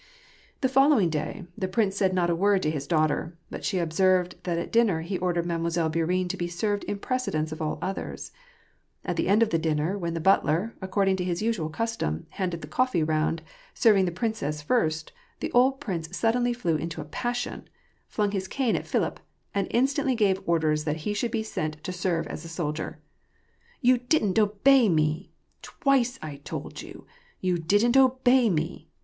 The following day, the prince said not a word to his daughter ; but she observed that at dinner he ordered Made moiselle Bourienne to be served in precedence of all others. At the end of the dinner, when the butler, according to his usual custom, handed the coffee round, serving the princess first, the old prince suddenly flew into a passion, flung his cane at Filipp, and instantly gave orders that he should be sent to serve as a soldier. " You didn't obey me !... Twice I told you !... You didn't obey me